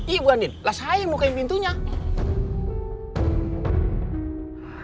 iya bu andin lah saya yang bukain pintunya